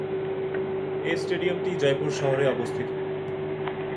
এ স্টেডিয়ামটি জয়পুর শহরে অবস্থিত।